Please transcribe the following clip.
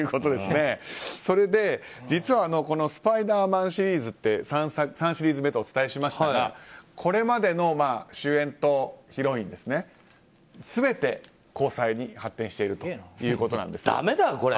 それで、実は「スパイダーマン」シリーズって３シリーズ目とお伝えしましたがこれまでの主演とヒロイン全て交際に発展しているということなんです。